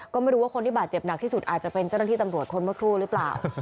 ก็ไม่รู้ว่าคนที่บาดเจ็บหนักที่สุดอาจจะเป็นเจ้าหน้าที่ตำรวจคนเมื่อครู่หรือเปล่า